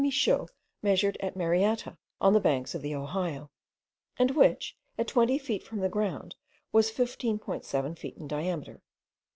Michaux measured at Marietta, on the banks of the Ohio, and which, at twenty feet from the ground, was 15.7 feet in diameter.